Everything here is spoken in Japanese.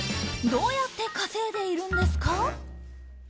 どうやって稼いでいるんですか？